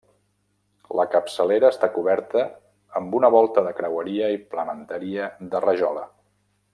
La capçalera està coberta amb una volta de creueria i plementeria de rajola.